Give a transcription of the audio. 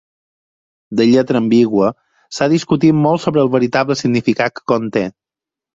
De lletra ambigua, s'ha discutit molt sobre el veritable significat que conté.